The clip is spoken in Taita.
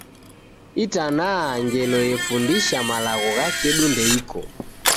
Itanaha ngelo yefundisha malagho gha kedu ndeiko.